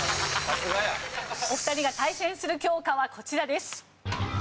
お二人が対戦する教科はこちらです。